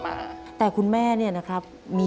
ทำงานชื่อนางหยาดฝนภูมิสุขอายุ๕๔ปี